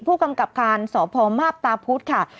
ผู้กำกับการสพมาพตาพุธค่ะ